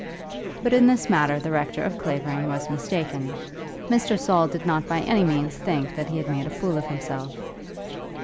But in this matter the rector of Clavering was mistaken. Mr. Saul did not by any means think that he had made a fool of himself.